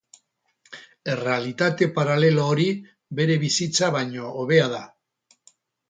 Errealitate paralelo hori bere bizitza baino hobea da.